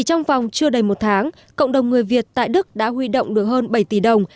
trong vòng chưa đầy một tháng cộng đồng người việt tại đức đã huy động được hơn bảy tỷ đồng